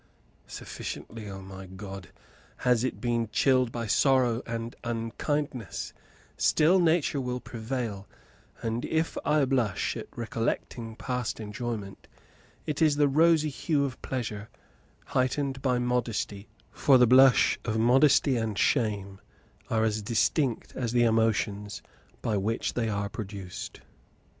Sufficiently, O my God! has it been chilled by sorrow and unkindness; still nature will prevail; and if I blush at recollecting past enjoyment, it is the rosy hue of pleasure heightened by modesty, for the blush of modesty and shame are as distinct as the emotions by which they are produced.